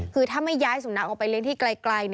คือถ้าไม่ย้ายสุนัขออกไปเลี้ยงที่ไกล